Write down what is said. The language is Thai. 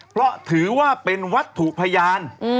เพราะถือว่าเป็นวัตถุพยาน